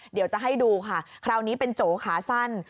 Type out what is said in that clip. เดี๋ยวจะให้ดูค่ะคราวนี้เป็นโจ๋ขาสั้น